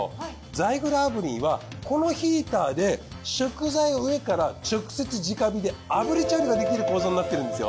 ザイグル炙輪はこのヒーターで食材を上から直接直火で炙り調理ができる構造になってるんですよ。